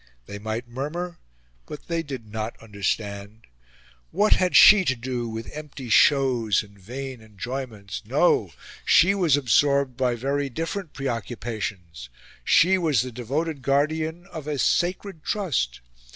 They might murmur, but they did not understand. What had she to do with empty shows and vain enjoyments? No! She was absorbed by very different preoccupations. She was the devoted guardian of a sacred trust.